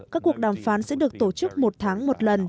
các cuộc đàm phán sẽ được tổ chức một tháng một lần